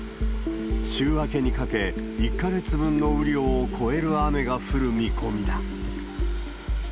週明けにかけ、１か月分の雨量を超える雨が降る見込みだ。